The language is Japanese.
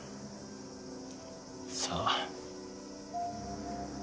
さあ。